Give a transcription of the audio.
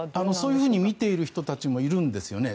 そう見ている人たちもいるんですよね。